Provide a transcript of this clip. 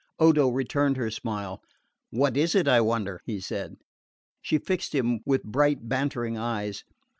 Odo returned her smile. "What is it, I wonder?" he said. She fixed him with bright bantering eyes.